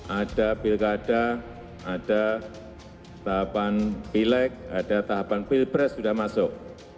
ada pilkada ada tahapan pilek ada tahapan pilpres sudah masuk